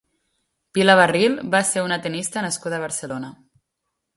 Pilar Barril va ser una tennista nascuda a Barcelona.